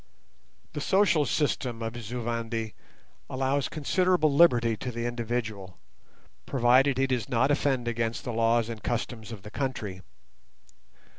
The social system of the Zu Vendi allows considerable liberty to the individual, provided he does not offend against the laws and customs of the country.